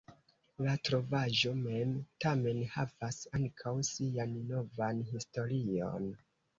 La trovaĵo mem, tamen, havas ankaŭ sian novan historion.